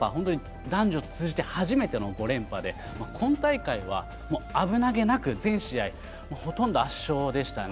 男女通じて初めての５連覇で今大会は危なげなく全試合、ほとんど圧勝でしたね。